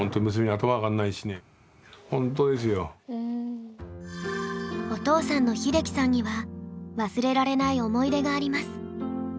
もうほんとお父さんの秀樹さんには忘れられない思い出があります。